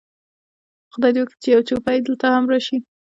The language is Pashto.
خدای دې وکړي چې یو جوپه یې دلته هم راشي.